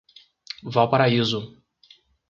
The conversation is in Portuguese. Valparaíso